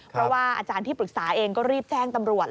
เพราะว่าอาจารย์ที่ปรึกษาเองก็รีบแจ้งตำรวจ